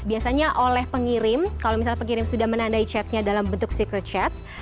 biasanya oleh pengirim kalau misalnya pengirim sudah menandai chatnya dalam bentuk secret chat